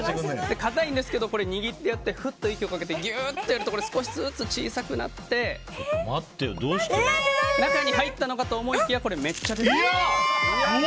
硬いんですけど、握ってやってふっと息をかけてぎゅーってやると少しずつ小さくなって中に入ったのかと思いきやめっちゃ出てくる！